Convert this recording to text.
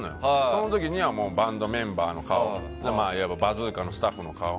その時にはバンドメンバーの顔「バズーカ」のスタッフの顔